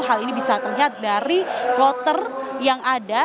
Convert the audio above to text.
hal ini bisa terlihat dari kloter yang ada